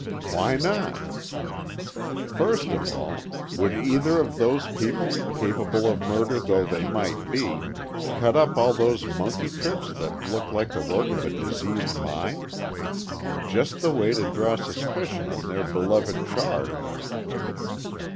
"Why not?" "First of all, would either of those people, capable of murder though they might be, cut up all those monkey tricks that looked like the work of a diseased mind? Just the way to draw suspicion on their beloved charge."